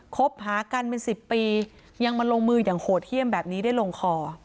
คบหากันเป็น๑๐ปียังมาลงมืออย่างโหดเยี่ยมแบบนี้ได้ลงคอ